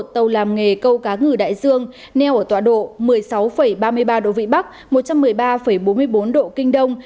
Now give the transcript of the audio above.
tàu làm nghề câu cá ngừ đại dương neo ở tọa độ một mươi sáu ba mươi ba độ vĩ bắc một trăm một mươi ba bốn mươi bốn độ kinh đông